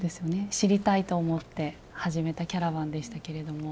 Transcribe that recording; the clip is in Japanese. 知りたいと思って始めたキャラバンでしたけれども。